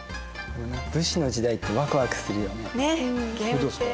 武士の時代ってわくわくするよね。ね！